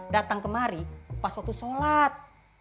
datang kemari pas waktu sholat